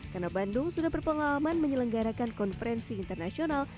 karena bandung sudah berpengalaman menyelenggarakan konferensi internasional